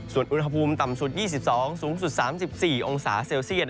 ส่วนอุณหภูมิต่ำสุด๒๒สูงสุด๓๔องศาเซลเซียต